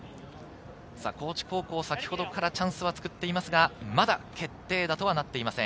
高知高校、先ほどからチャンスを作っていますが、まだ決定打とはなっていません。